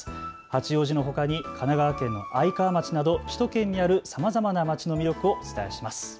八王子のほかに神奈川県愛川町など首都圏にあるさまざまな街の魅力をお伝えします。